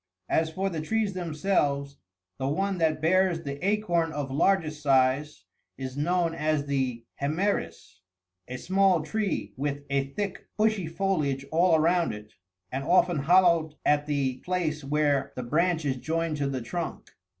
As for the trees themselves, the one that bears the acorn of largest size is known as the "hemeris;"66 a small tree with a thick bushy foliage all around it, and often hollowed at the place where the branch is joined to the trunk.